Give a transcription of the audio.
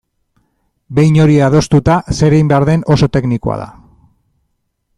Behin hori adostuta, zer egin behar den oso teknikoa da.